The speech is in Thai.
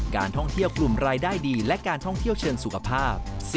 การท่องเที่ยวกลุ่มรายได้ดีและการท่องเที่ยวเชิงสุขภาพ